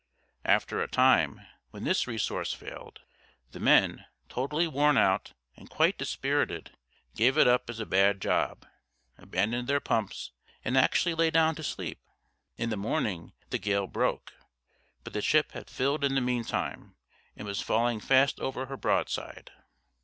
After a time, when this resource failed, the men, totally worn out and quite dispirited, gave it up as a bad job, abandoned their pumps, and actually lay down to sleep. In the morning the gale broke; but the ship had filled in the meantime, and was falling fast over her broadside.